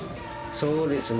そうですね。